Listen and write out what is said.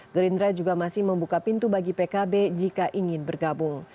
gerindra juga masih membuka pintu bagi pkb jika ingin bergabung